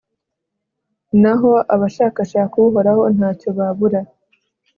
naho abashakashaka uhoraho nta cyo babura